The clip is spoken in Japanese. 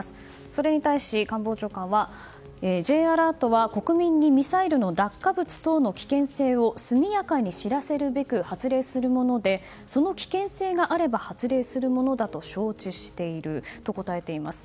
それに対して官房長官は、Ｊアラートは国民にミサイルの落下物等の危険性を速やかに知らせるべく発令するものでその危険性があれば発令するものだと承知していると答えています。